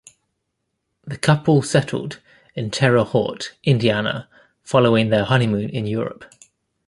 The couple settled in Terre Haute, Indiana following their honeymoon in Europe.